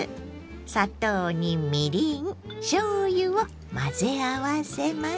砂糖にみりんしょうゆを混ぜ合わせます。